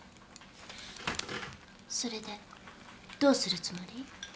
それでどうするつもり？